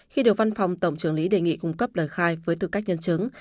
khi được văn phòng tổng trường lý đề nghị cung cấp lời khai với tư cách nhân chứng